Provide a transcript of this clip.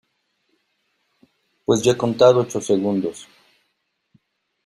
pues yo he contado ocho segundos.